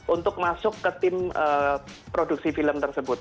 untuk masuk ke tim produksi film tersebut